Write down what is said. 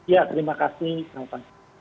ya terima kasih